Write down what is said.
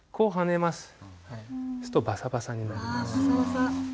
するとバサバサになります。